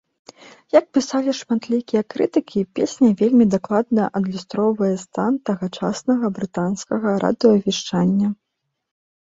Як пісалі шматлікія крытыкі, песня вельмі дакладна адлюстроўвае стан тагачаснага брытанскага радыёвяшчання.